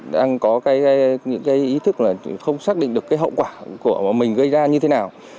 đang có những ý thức là không xác định được hậu quả của mình gây ra như thế nào